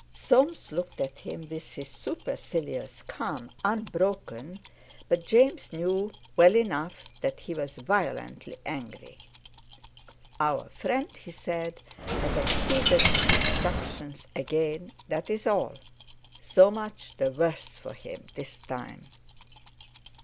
Soames looked at him with his supercilious calm unbroken, but James knew well enough that he was violently angry. "Our friend," he said, "has exceeded his instructions again, that's all. So much the worse for him this time."